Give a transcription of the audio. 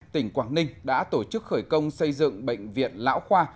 tỉnh quảng ninh đã tổ chức khởi công xây dựng bệnh viện lão khoa